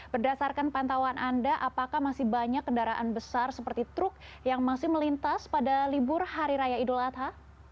berdasarkan pantauan anda apakah masih banyak kendaraan besar seperti truk yang masih melintas pada libur hari raya idul adha